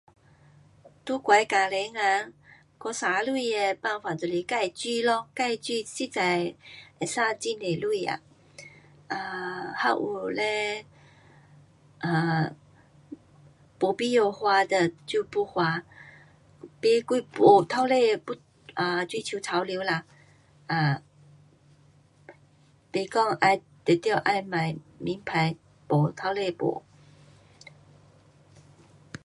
在我的家庭啊，我省钱的办法就是自煮咯，自煮实在会省很多钱啊。um 还有嘞，um 没必要花的就不花。买几没，每次不啊追求潮流啦，um 没讲一点要买名牌，没，透底没。